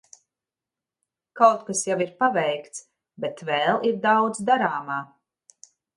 Kaut kas jau ir paveikts, bet vēl ir daudz darāmā.